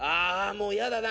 もうやだな